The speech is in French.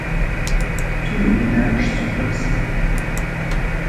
Tous nos ménages sont comme ça.